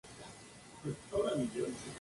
Economía basada en actividades agroindustriales.